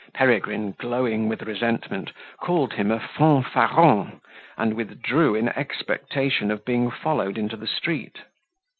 Peregrine, glowing with resentment, called him a fanfaron, and withdrew in expectation of being followed into the street.